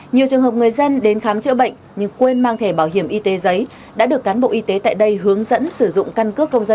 nhiều trường hợp người dân đến khám chữa bệnh nhưng quên mang thẻ bảo hiểm y tế giấy đã được cán bộ y tế tại đây hướng dẫn sử dụng căn cước công dân